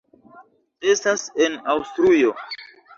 Estas en Aŭstrujo.